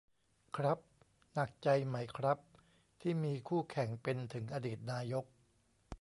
ครับ หนักใจไหมครับ ที่มีคู่แข่งเป็นถึงอดีตนายก